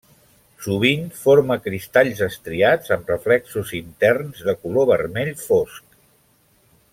Sovint forma cristalls estriats amb reflexos interns de color vermell fosc.